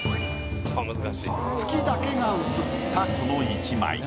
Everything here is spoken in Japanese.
月だけが写ったこの１枚。